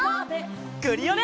クリオネ！